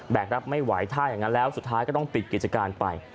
รับไม่ไหวถ้าอย่างนั้นแล้วสุดท้ายก็ต้องปิดกิจการไป